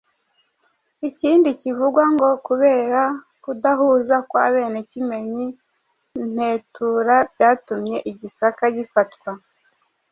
Ikindi kivugwa ngo kubera kudahuza kwa bene Kimenyi Ngetura byatumye i Gisaka gifatwa